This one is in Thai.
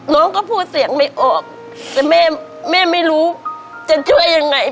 น้องก็พูดเสียงไม่ออกแต่แม่แม่ไม่รู้จะช่วยยังไง